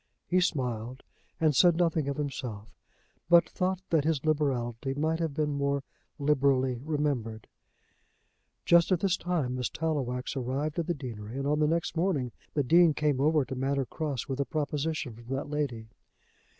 He smiled and said nothing of himself, but thought that his liberality might have been more liberally remembered. Just at this time Miss Tallowax arrived at the deanery, and on the next morning the Dean came over to Manor Cross with a proposition from that lady.